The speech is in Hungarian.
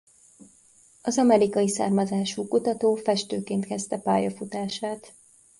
Az amerikai származású kutató festőként kezdte pályafutását.